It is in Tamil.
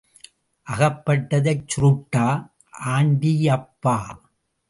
அகப்பட்டதைச் சுருட்டடா ஆண்டியப்பா.